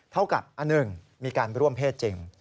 เท่ากับอันหนึ่งมีการร่วมเพศจริง